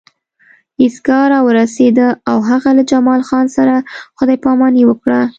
ایستګاه راورسېده او هغه له جمال خان سره خدای پاماني وکړه